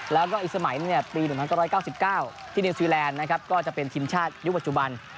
แล้วก็อีกสมัยปี๑๙๙ที่นิวซีแลนด์นะครับก็จะเป็นทีมชาติยุคปัจจุบัน